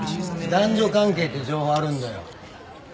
男女関係っていう情報あるんだよ。